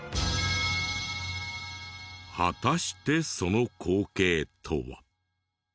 果たしてその光景とは？